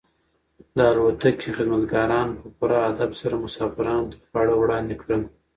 د الوتکې خدمتګارانو په پوره ادب سره مسافرانو ته خواړه وړاندې کړل.